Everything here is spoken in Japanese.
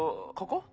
ここ？